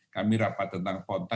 kami rapat tentang pon